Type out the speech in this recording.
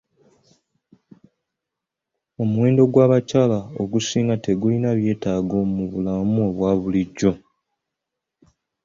Omuwendo gw'abakyala ogusinga tegulina byetaago mu bulamu obwa bulijjo.